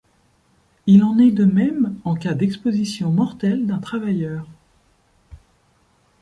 Il en est de même en cas d'exposition mortelle d'un travailleur.